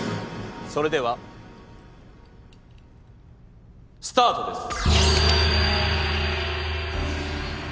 それではスタートです。